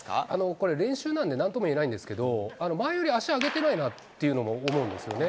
これ、練習なんで、なんとも言えないんですけど、前より足上げてないなっていうのも思うんですよね。